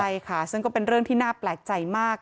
ใช่ค่ะซึ่งก็เป็นเรื่องที่น่าแปลกใจมาก